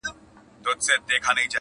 او يوه ورځ د بېګانه وو په حجره کي چېرته،